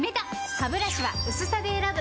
ハブラシは薄さで選ぶ！